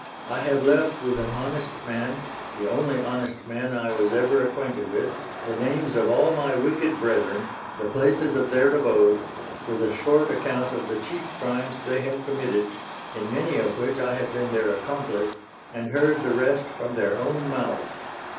I have left with an honest man the only honest man I was ever acquainted with the names of all my wicked brethren, the places of their abode, with a short account of the chief crimes they have committed, in many of which I have been their accomplice, and heard the rest from their own mouths.